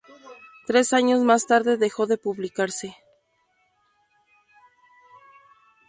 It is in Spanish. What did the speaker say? Tres años más tarde dejó de publicarse.